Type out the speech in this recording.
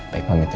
baik pamit ya